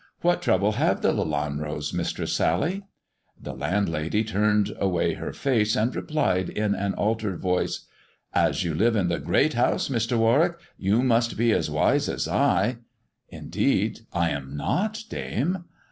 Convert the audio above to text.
" What trouble have the Lelanros, Mistress Sally 1 " The landlady turned away her face and replied in an altered voice — "As you live in the Great House, Mr. Warwick, you must be as wise as I." " Indeed, I am not, dame."